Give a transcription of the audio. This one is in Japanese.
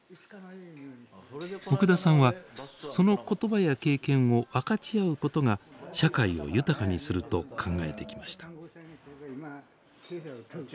奥田さんはその言葉や経験を分かち合うことが社会を豊かにすると考えてきました。